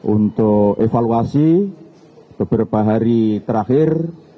untuk evaluasi beberapa hari terakhir